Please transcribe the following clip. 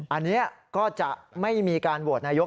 อันนี้ก็จะไม่มีการโหวตนายก